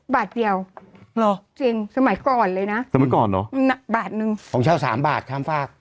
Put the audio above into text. บาทเดียวเหรอจริงสมัยก่อนเลยนะสมัยก่อนเหรอบาทหนึ่งของเช่าสามบาทข้ามฝาก